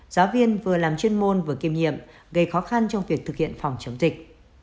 giáo viên vừa làm chuyên môn vừa kiềm nghiệm gây khó khăn trong việc thực hiện phòng chống dịch